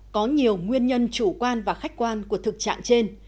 có nhiều nguyên nhân chủ quan và khách quan của thực trạng trên